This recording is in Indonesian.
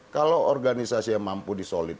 kalau organisasi yang mampu disolid